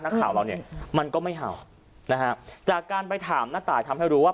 ข่าวเราเนี่ยมันก็ไม่เห่านะฮะจากการไปถามณตายทำให้รู้ว่า